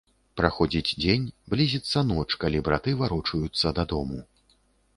Праходзіць дзень, блізіцца ноч, калі браты варочаюцца дадому.